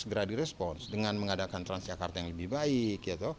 segera di respons dengan mengadakan transjakarta yang lebih baik